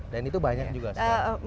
dan itu banyak juga sekarang